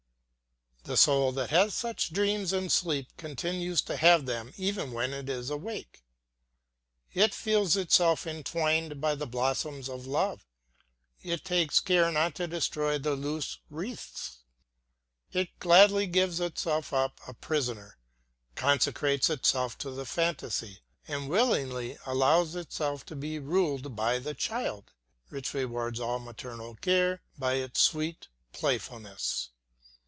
The soul that has such dreams in sleep continues to have them even when it is awake. It feels itself entwined by the blossoms of love, it takes care not to destroy the loose wreaths; it gladly gives itself up a prisoner, consecrates itself to the fantasy, and willingly allows itself to be ruled by the child, which rewards all maternal cares by its sweet playfulness.